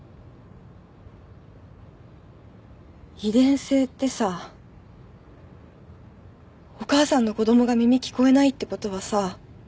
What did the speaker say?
遺伝性ってさお母さんの子供が耳聞こえないってことはさ